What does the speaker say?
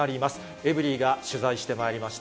エブリィが取材してまいりました。